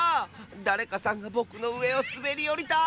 だれかさんがぼくのうえをすべりおりた！